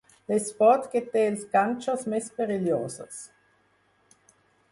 L'esport que té els ganxos més perillosos.